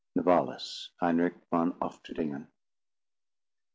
—NOVALIS, Heinrich von Ofterdingen.